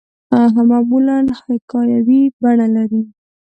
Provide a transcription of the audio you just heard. معمولاً حکایوي بڼه لري.